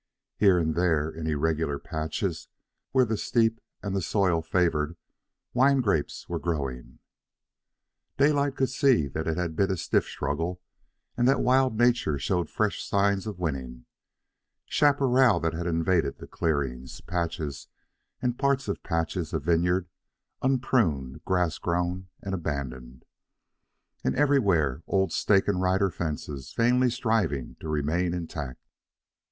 Here and there, in irregular patches where the steep and the soil favored, wine grapes were growing. Daylight could see that it had been a stiff struggle, and that wild nature showed fresh signs of winning chaparral that had invaded the clearings; patches and parts of patches of vineyard, unpruned, grassgrown, and abandoned; and everywhere old stake and rider fences vainly striving to remain intact.